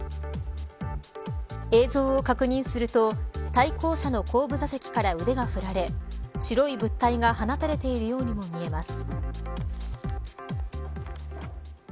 映像を確認すると対向車の後部座席から腕が振られ白い物体が放たれているようにも見えます。